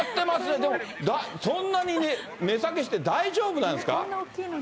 でもそんなに値下げして大丈夫なんですか。